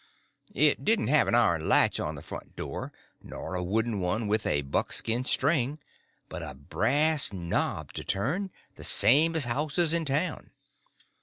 It didn't have an iron latch on the front door, nor a wooden one with a buckskin string, but a brass knob to turn, the same as houses in town.